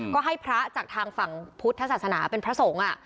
ก็ให้พระจากทางฝั่งพุทธศาสนาเป็นพระสงฆ์